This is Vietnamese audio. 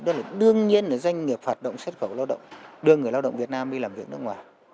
đó là đương nhiên là doanh nghiệp hoạt động xuất khẩu lao động đưa người lao động việt nam đi làm việc nước ngoài